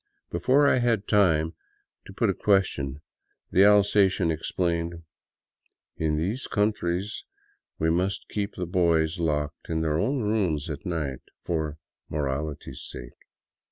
Before I had time to put a question, the Alsatian explained: " In these countries we must keep the boys locked in their own rooms at night, for morality's sake."